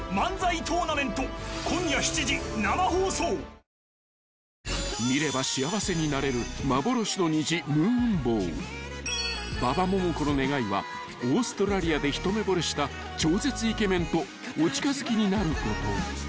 乳酸菌が一時的な胃の負担をやわらげる［馬場ももこの願いはオーストラリアで一目ぼれした超絶イケメンとお近づきになること］